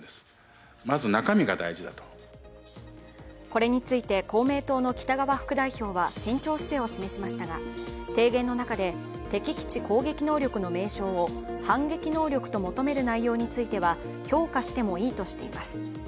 これについて公明党の北側副代表は慎重姿勢を示しましたが提言の中で、敵基地攻撃能力の名称を反撃能力と求める内容については評価してもいいとしています。